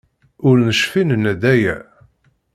Ur necfi nenna-d aya.